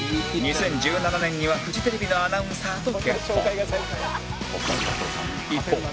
２０１７年にはフジテレビのアナウンサーと結婚